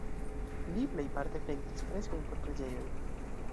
Li plejparte pentris freskojn por preĝejoj.